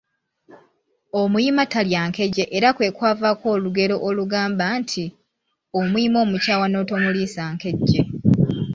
Omuyima talya nkejje era ku kwavaako olugero olugamba nti: Omuyima omukyawa n’otomuliisa nkejje.